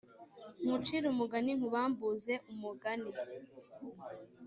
Ngucire umugani nkubambuze umugani